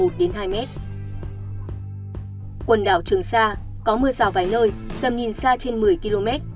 quần đảo trường sa có mưa rào vài nơi tầm nhìn xa trên một mươi km